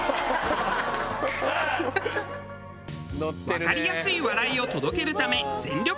わかりやすい笑いを届けるため全力ロケ。